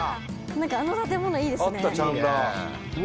何かあの建物いいですね。